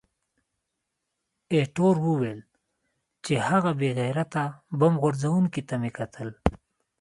ایټور وویل چې، هغه بې غیرته بم غورځوونکي ته مې کتل.